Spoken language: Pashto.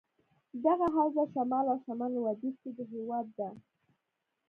دغه حوزه شمال او شمال لودیځ کې دهیواد ده.